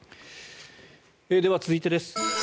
では、続いてです。